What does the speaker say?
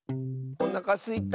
おなかすいた。